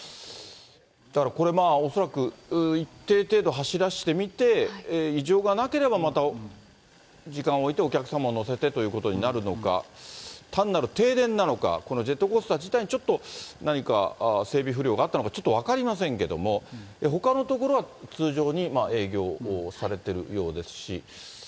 だからこれ、恐らく一定程度走らせてみて、異常がなければまた時間を置いて、お客様を乗せてということになるのか、単なる停電なのか、ジェットコースター自体にちょっと何か整備不良があったのか、ちょっと分かりませんけども、ほかのところは通常に営業をされているようですし。